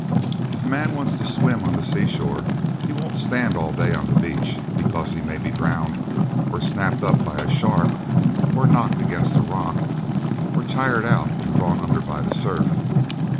If a man wants a swim on the seashore he won't stand all day on the beach because he may be drowned or snapped up by a shark, or knocked against a rock, or tired out and drawn under by the surf.